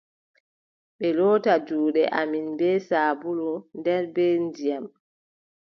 Ɓe loota juuɗe amin bee saabulu, nden be ndiyam!